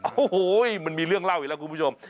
โอ้โหมันมีเรื่องเล่าอีกแล้วคุณผู้ชม